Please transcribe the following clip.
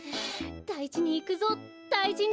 だいじにいくぞだいじに！